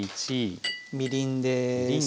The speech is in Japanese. みりんです。